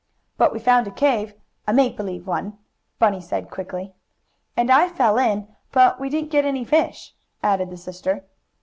"But we found a cave a make believe one," Bunny said quickly. "And I fell in, but we didn't get any fish," added the sister.